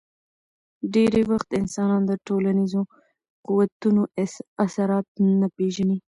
ډېری وخت انسانان د ټولنیزو قوتونو اثرات نه پېژني.